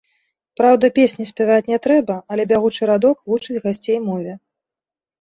Праўда, песні спяваць не трэба, але бягучы радок вучыць гасцей мове.